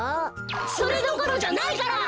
それどころじゃないから！